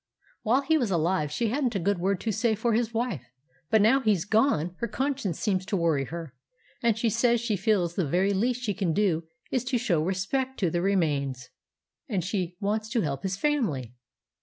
While he was alive, she hadn't a good word to say for his wife; but now he's gone, her conscience seems to worry her, and she says she feels the very least she can do is 'to show respeck to the remains,' and she wants to help his family.